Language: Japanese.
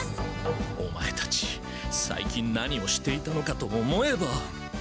お前たち最近何をしていたのかと思えば。